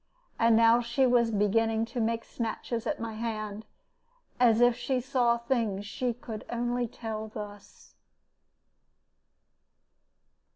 And now she was beginning to make snatches at my hand, as if she saw things she could only tell thus.